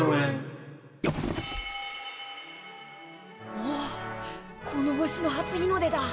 おおっこの星の初日の出だ。